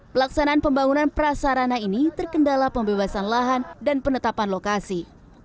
pelaksanaan pembangunan prasarana ini terkendala pembebasan lahan dan penetapan lokasi